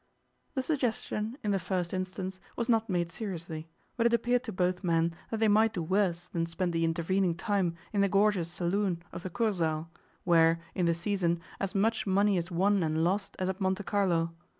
The suggestion, in the first instance, was not made seriously, but it appeared to both men that they might do worse than spend the intervening time in the gorgeous saloon of the Kursaal, where, in the season, as much money is won and lost as at Monte Carlo.